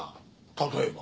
例えば？